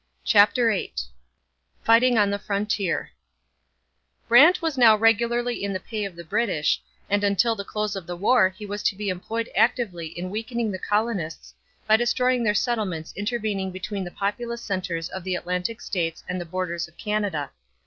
CHAPTER VIII FIGHTING ON THE FRONTIER Brant was now regularly in the pay of the British, and until the close of the war he was to be employed actively in weakening the colonists by destroying their settlements intervening between the populous centres of the Atlantic states and the borders of Canada.